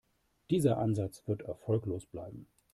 Dieser Ansatz wird erfolglos bleiben.